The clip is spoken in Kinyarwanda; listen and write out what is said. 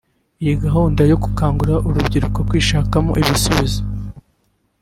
Iyi gahunda yo gukangurira urubyiruko kwishakamo ibisubizo